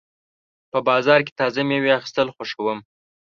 په بازار کې تازه مېوې اخیستل خوښوم.